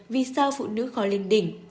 vì sao phụ nữ khó lên đỉnh